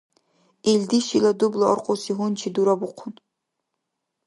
Илди шила дубла аркьуси гьунчи дурабухъун.